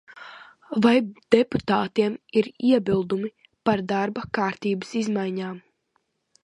Vai deputātiem ir iebildumi par darba kārtības izmaiņām?